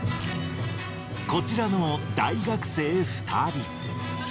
こちらの大学生２人。